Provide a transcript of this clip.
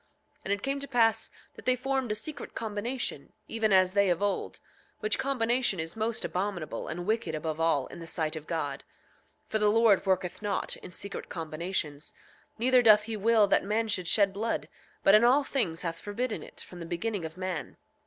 8:18 And it came to pass that they formed a secret combination, even as they of old; which combination is most abominable and wicked above all, in the sight of God; 8:19 For the Lord worketh not in secret combinations, neither doth he will that man should shed blood, but in all things hath forbidden it, from the beginning of man.